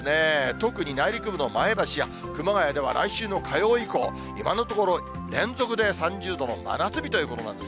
特に内陸部の前橋や熊谷では来週の火曜以降、今のところ、連続で３０度の真夏日ということなんです。